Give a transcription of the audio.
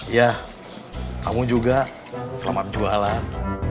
ya kamu juga selamat jualan